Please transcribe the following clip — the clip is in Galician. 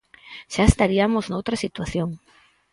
Xa estariamos noutra situación.